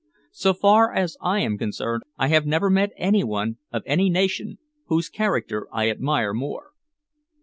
So far as I am concerned I have never met any one, of any nation, whose character I admire more."